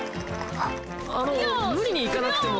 あの無理に行かなくても。